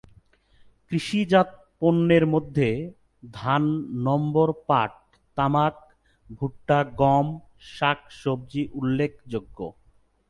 কৃষিজাত পণ্যের মধ্যে ধানম্বরপাট, তামাক, ভুট্টা, গম, শাক-সবজি উল্লেখযোগ্য।